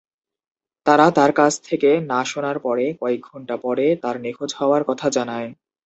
তারা তার কাছ থেকে না শোনার পরে কয়েক ঘন্টা পরে তার নিখোঁজ হওয়ার কথা জানায়।